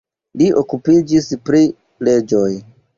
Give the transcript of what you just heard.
Li okupiĝis pri leĝoj.